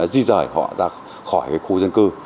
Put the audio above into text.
đi rời họ ra khỏi khu dân cư